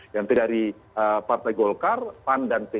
yang terdiri dari partai golkar pan dan p tiga